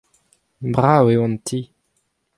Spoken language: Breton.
Brav eo an ti.